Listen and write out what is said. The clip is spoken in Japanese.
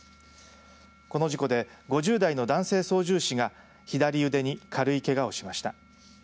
この事故で５０代の男性操縦士が左腕に軽いけがをしました。